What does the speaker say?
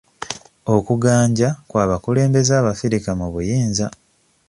Okuganja kw'abakulembeze abafirika mu buyinza.